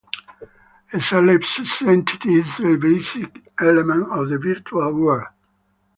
A Solipsis entity is a basic element of the virtual world.